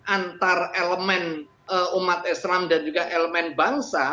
antar elemen umat islam dan juga elemen bangsa